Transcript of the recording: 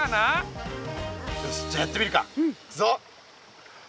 よしじゃやってみるかいくぞ！